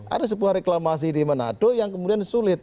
ada sebuah reklamasi di manado yang kemudian sulit